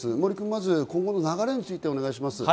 まず今後の流れについて、お願いします。